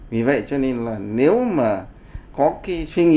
vì vậy cho nên là nếu mà có cái suy nghĩ